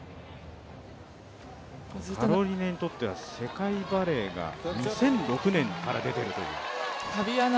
カロリネにとっては世界バレーが２００６年から出ているという。